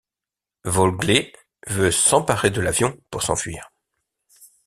Vogler veut s'emparer de l'avion pour s'enfuir.